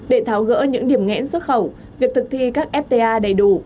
để tháo gỡ những điểm nghẽn xuất khẩu việc thực thi các fta đầy đủ